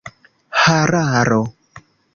hararo